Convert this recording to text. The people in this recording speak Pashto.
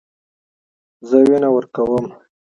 زه وینه ورکوم.